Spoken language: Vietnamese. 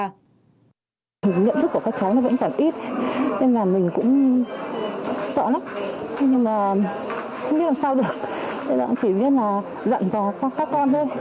nhưng mà không biết làm sao được chỉ biết là dặn cho các con thôi